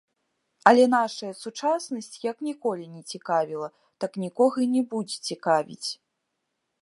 Але нашая сучаснасць, як ніколі не цікавіла, так нікога і не будзе цікавіць.